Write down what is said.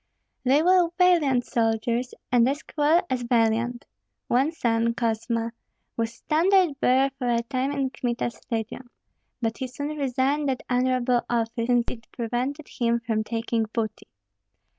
They were valiant soldiers, and as cruel as valiant. One son, Kosma, was standard bearer for a time in Kmita's legion; but he soon resigned that honorable office, since it prevented him from taking booty.